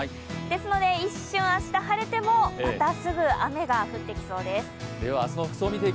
なので一瞬明日が晴れてもまた雨が降ってきそうです。